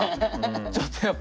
ちょっとやっぱ。